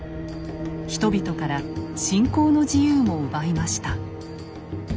人々から信仰の自由も奪いました。